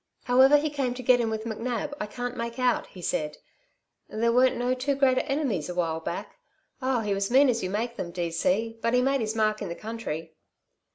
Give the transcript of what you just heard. "However he came to get in with McNab I can't make out," he said. "There weren't no two greater enemies a while back. Oh, he was as mean as you make them, D.C., but he made his mark in the country."